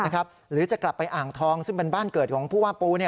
หรือจะกลับไปอ่างทองซึ่งเป็นบ้านเกิดของผู้ว่าปู